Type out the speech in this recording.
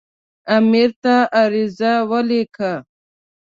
امیر ته عریضه ولیکله.